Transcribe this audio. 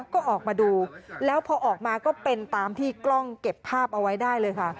ก็ออกมาดูแล้วพอออกมาก็เป็นตามที่กล้องเก็บภาพเอาไว้ได้เลยค่ะ